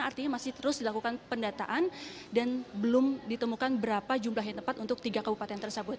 artinya masih terus dilakukan pendataan dan belum ditemukan berapa jumlah yang tepat untuk tiga kabupaten tersebut